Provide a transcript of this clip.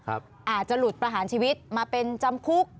อาจจะหลุดประหารชีวิตมาเป็นจำคุก